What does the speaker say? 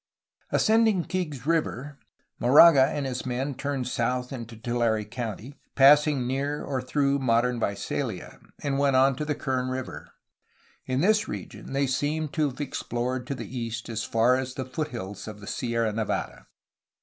Ascending Kings River, Moraga and his men turned south into Tulare County, passing near or through modern Visalia, and went on to the Kern River. In this region they seem to have explored to the east as far as the foothills of the Sierra Nevada.